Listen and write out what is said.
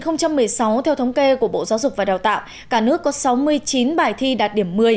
năm hai nghìn một mươi sáu theo thống kê của bộ giáo dục và đào tạo cả nước có sáu mươi chín bài thi đạt điểm một mươi